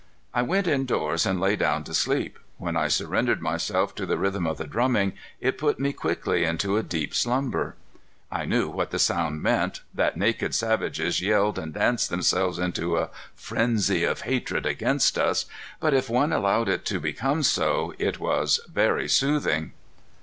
I went indoors and lay down to sleep. When I surrendered myself to the rhythm of the drumming, it put me quickly into a deep slumber. I knew what the sound meant, that naked savages yelled and danced themselves into a frenzy of hatred against us, but if one allowed it to become so, it was very soothing.